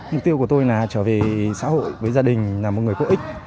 mục tiêu của tôi là trở về xã hội với gia đình là một người có ích